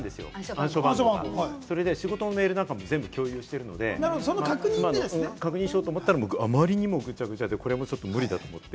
暗証番号が仕事のメールなんかも全部共有しているので、妻の確認しようと思ったら、あまりにもぐちゃぐちゃで、これは無理だと思って。